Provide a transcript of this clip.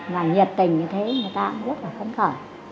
và nhiệt tình như thế người ta cũng rất là phấn khởi